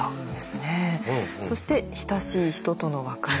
そして「親しい人との別れ」。